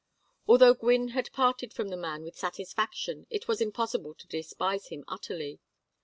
Although Gwynne had parted from the man with satisfaction it was impossible to despise him utterly.